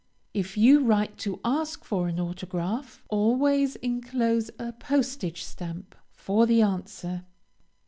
If you write to ask for an autograph, always inclose a postage stamp for the answer.